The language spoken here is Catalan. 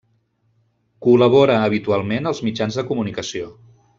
Col·labora habitualment als mitjans de comunicació.